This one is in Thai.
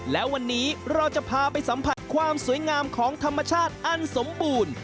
และวันนี้เราจะพาไปสัมผัสความสวยงามของธรรมชาติอันสมบูรณ์